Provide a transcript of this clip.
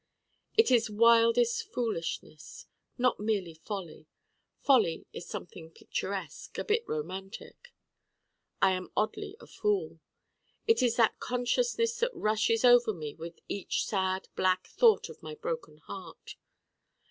It is wildest foolishness. Not merely folly. Folly is something picturesque a bit romantic. I am oddly a fool. It is that consciousness that rushes over me with each sad black thought of my Broken Heart.